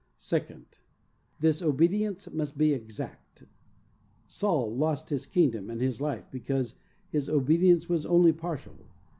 Second: This obedience must be exact. Saul lost his kingdom and his life because his obedience was only partial.